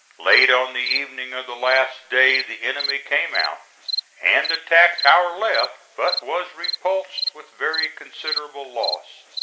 Late on the evening of the last day the enemy came out and attacked our left, but was repulsed with very considerable loss.